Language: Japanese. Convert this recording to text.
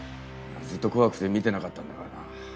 ずっと怖くて見てなかったんだからな。